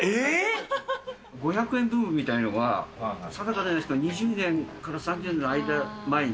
５００円ブームみたいなのが、定かじゃないんですけど、２０年から３０年の間に。